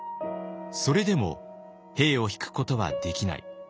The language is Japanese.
それでも兵を引くことはできない。